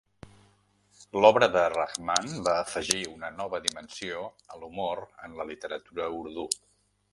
L'obra de Rahman va afegir una nova dimensió a l'humor en la literatura urdú.